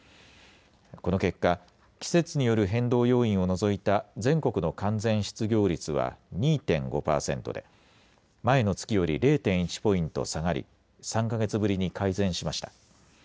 この結果、季節による変動要因を除いた全国の完全失業率は２．５％で前の月より０．１ポイント下がり３か月ぶりに改善しました。